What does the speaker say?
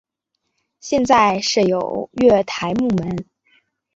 现在设有月台幕门。